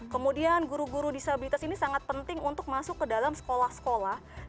kemudian guru guru disabilitas ini sangat penting untuk masuk ke dalam sekolah sekolah